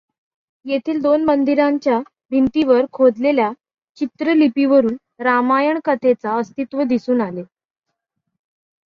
येथील दोन मंदिरांच्या भिंतीवर खोदलेल्या चित्रलिपीवरून रामायण कथेचे अस्तित्व दिसून आले.